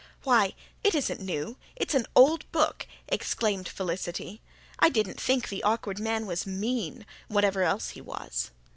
"Why, it isn't new it's an old book!" exclaimed Felicity. "I didn't think the Awkward Man was mean, whatever else he was."